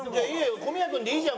小宮君でいいじゃん